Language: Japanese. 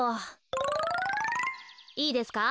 いいですか？